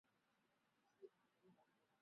歌仔册文字为用于记述歌仔册的汉字。